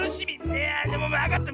いやあでもわかった。